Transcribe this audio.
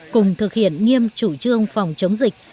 cùng thực hiện nghiêm chủ trương phòng chống dịch